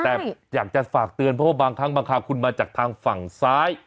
แต่อยากจะฝากเตือนเพราะว่าบางครั้งบางคราวคุณมาจากทางฝั่งซ้าย